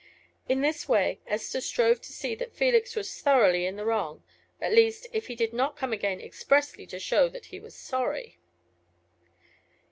In this way Esther strove to see that Felix was thoroughly in the wrong at least, if he did not come again expressly to show that he was sorry.